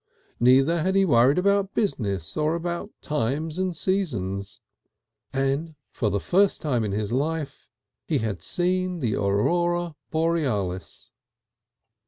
Neither had he worried about business nor about time and seasons. And for the first time in his life he had seen the Aurora Borealis.